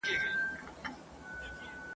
شمېر به یې ډېر کم وو ..